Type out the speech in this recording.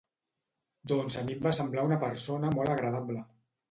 Doncs a mi em va semblar una persona molt agradable.